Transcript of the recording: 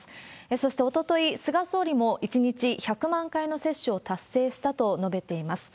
そしておととい、菅総理も１日１００万回の接種を達成したと述べています。